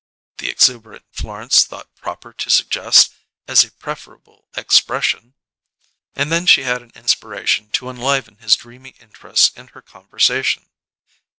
the exuberant Florence thought proper to suggest as a preferable expression. And then she had an inspiration to enliven his dreamy interest in her conversation.